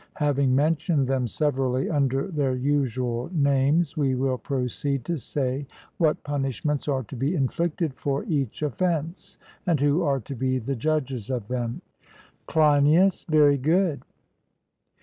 Having mentioned them severally under their usual names, we will proceed to say what punishments are to be inflicted for each offence, and who are to be the judges of them. CLEINIAS: Very good.